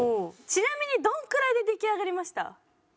ちなみにどのくらいで出来上がりました？